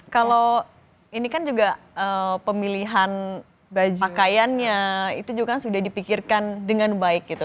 kalau ini kan juga pemilihan pakaiannya itu juga sudah dipikirkan dengan baik gitu